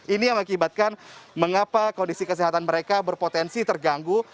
ini yang mengakibatkan mengapa kondisi kesehatan mereka berpotensi terganggu